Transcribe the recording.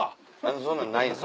そんなのないんですか。